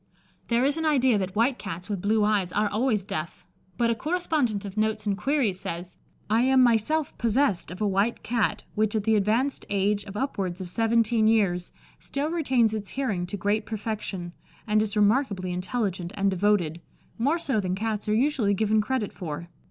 There is an idea that white Cats with blue eyes are always deaf, but a correspondent of Notes and Queries says, "I am myself possessed of a white Cat which, at the advanced age of upwards of seventeen years, still retains its hearing to great perfection, and is remarkably intelligent and devoted, more so than Cats are usually given credit for.